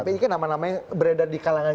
tapi ini kan nama nama yang beredar di kalangan